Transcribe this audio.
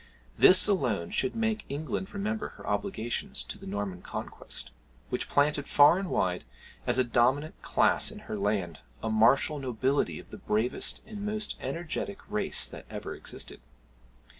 This alone should make England remember her obligations to the Norman Conquest, which planted far and wide, as a dominant class in her land, a martial nobility of the bravest and most energetic race that ever existed.